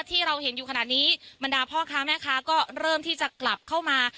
ที่เราเห็นอยู่ขนาดนี้บรรดาพ่อค้าแม่ค้าก็เริ่มที่จะกลับเข้ามา